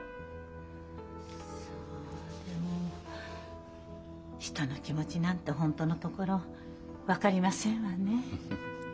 でも人の気持ちなんて本当のところ分かりませんわねえ。